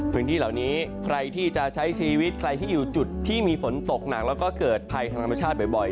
พื้นที่เหล่านี้ใครที่จะใช้ชีวิตใครที่อยู่จุดที่มีฝนตกหนักแล้วก็เกิดภัยทางธรรมชาติบ่อย